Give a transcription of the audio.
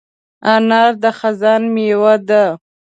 انار د خزان مېوه ده.